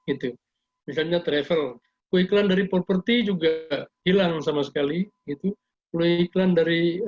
itu misalnya travel iklan dari property juga hilang sama sekali itu iklan dari